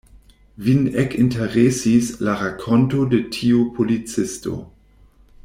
Vin ekinteresis la rakonto de tiu policisto.